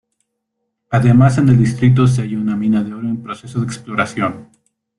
Además en el distrito se halla una mina de oro en proceso de exploración.